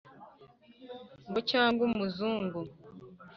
ngo cyangwa umuzungu